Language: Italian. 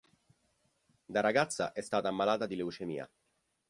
Da ragazza è stata ammalata di leucemia.